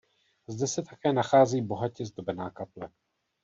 Zde se také nachází bohatě zdobená kaple.